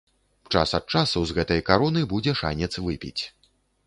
Час ад часу з гэтай кароны будзе шанец выпіць.